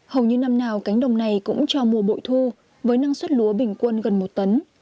hầu như năm nào cánh đồng này cũng cho mùa bội thu với năng suất lúa bình quân gần một tấn